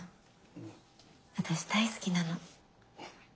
私大好きなの。